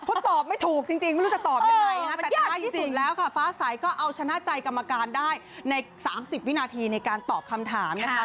เพราะตอบไม่ถูกจริงไม่รู้จะตอบยังไงนะคะแต่ท้ายที่สุดแล้วค่ะฟ้าใสก็เอาชนะใจกรรมการได้ใน๓๐วินาทีในการตอบคำถามนะคะ